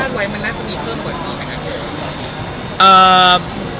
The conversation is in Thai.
มันล่าจะมีเพิ่มกว่านี้หรือเปล่า